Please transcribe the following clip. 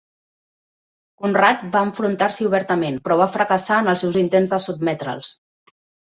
Conrad va enfrontar-s'hi obertament, però va fracassar en els seus intents de sotmetre'ls.